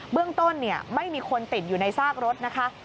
เรื่องต้นไม่มีคนติดอยู่ในซากรถนะคะ